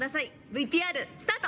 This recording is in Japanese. ＶＴＲスタート！